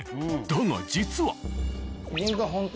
だが実は。